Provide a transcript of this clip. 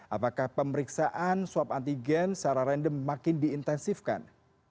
apakah pemeriksaan swab antigen secara random makin diintensifkan